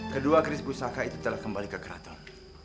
kedua kris pusaka itu telah kembali ke keraton